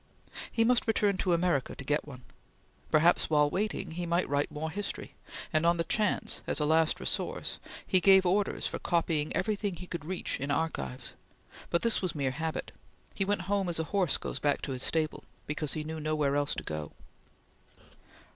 He must return to America to get one. Perhaps, while waiting, he might write more history, and on the chance as a last resource, he gave orders for copying everything he could reach in archives, but this was mere habit. He went home as a horse goes back to his stable, because he knew nowhere else to go.